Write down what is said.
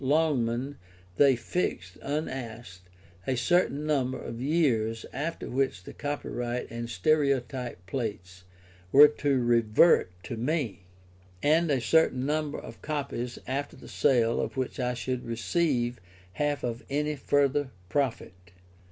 Longman they fixed, unasked, a certain number of years after which the copyright and stereotype plates were to revert to me, and a certain number of copies after the sale of which I should receive half of any further profit.